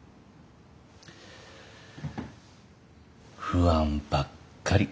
不安ばっかり。